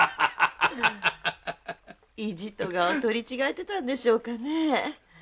意地と我を取り違えてたんでしょうかねえ。